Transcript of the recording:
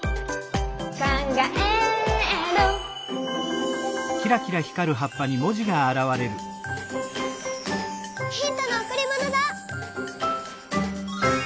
「かんがえる」ヒントのおくりものだ！